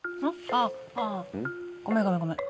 あああごめんごめんごめん。